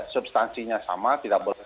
substansinya sama tidak boleh